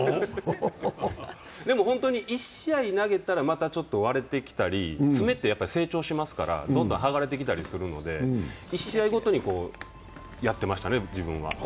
でも１試合投げたらまたちょっと割れてきたり、爪って成長しますからどんどん剥がれてきたりしますので１試合ごとにやってましたね、自分は。